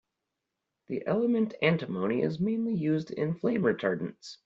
The element antimony is mainly used in flame retardants.